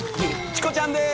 チコちゃんです。